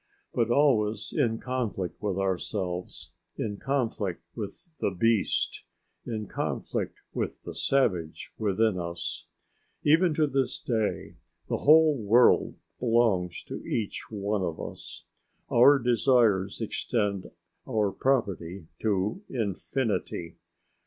But always in conflict with ourselves, in conflict with the beast, in conflict with the savage within us. Even to this day the whole world belongs to each one of us. Our desires extend our property to infinity.